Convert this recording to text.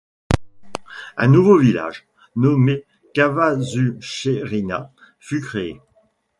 Un nouveau village, nommé Cavazuccherina, fut créé.